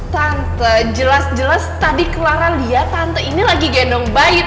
tante jelas jelas tadi clara lihat tante ini lagi gendong bayi tante